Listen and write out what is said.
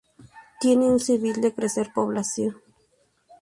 Tiene un civil de crecer población.